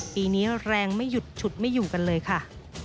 ปีนี้แรงไม่หยุดฉุดไม่อยู่กันเลยค่ะ